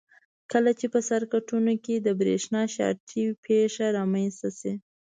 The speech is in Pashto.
کله چې په سرکټونو کې د برېښنا شارټۍ پېښه رامنځته شي.